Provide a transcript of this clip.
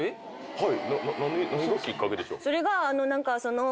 はい。